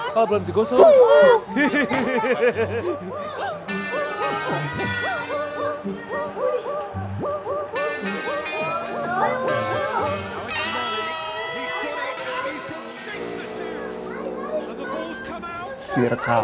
kalo belum digosong